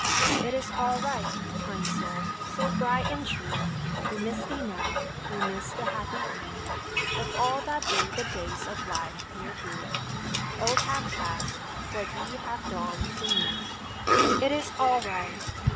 "It is all right." Kind soul, so bright and true, We miss thee now, we miss the happy view Of all that through the days of life here grew. The old hath passed for thee hath dawned the new. "It is all right!"